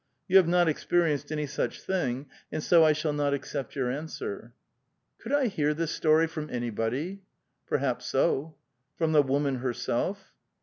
You have not experienced any such thing, and so I shall not accept your answer." '* Could I hear this story from anybody ?"*' Perhaps so." " From the woman herself?"